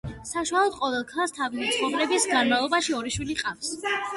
საშუალოდ, ყოველ ქალს თავისი ცხოვრების განმავლობაში ორი შვილი ჰყავს.